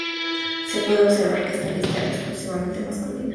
Se puede observar que esta lista es exclusivamente masculina.